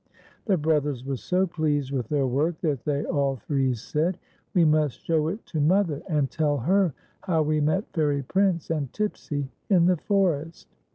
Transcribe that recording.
The brothers were so pleased with their work that they all three said, " We must show it to mother, and tell her how we met Fairy Prince and Tipsy in the forest."